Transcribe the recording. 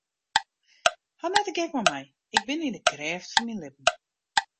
Haw net de gek mei my, ik bin yn de krêft fan myn libben.